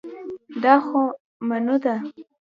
دا خو منو ده